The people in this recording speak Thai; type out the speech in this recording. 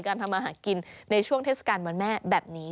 ทำมาหากินในช่วงเทศกาลวันแม่แบบนี้